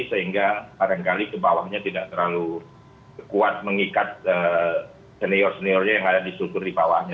sehingga barangkali ke bawahnya tidak terlalu kuat mengikat senior seniornya yang ada di struktur di bawahnya